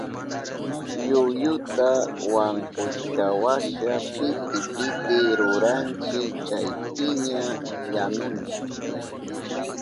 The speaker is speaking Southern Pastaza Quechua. Yuyuta wankushkanwasha piti piti ruranchi chaypiña yanunchi.